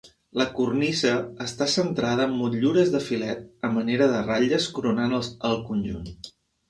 La cornisa està centrada amb motllures de filet a manera de ratlles coronant el conjunt.